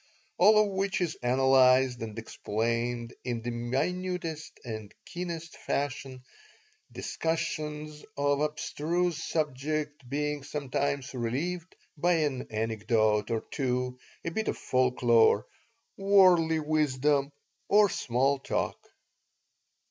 All of which is analyzed and explained in the minutest and keenest fashion, discussions on abstruse subjects being sometimes relieved by an anecdote or two, a bit of folklore, worldly wisdom, or small talk.